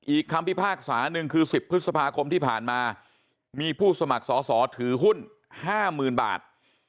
คำพิพากษาหนึ่งคือ๑๐พฤษภาคมที่ผ่านมามีผู้สมัครสอสอถือหุ้น๕๐๐๐บาท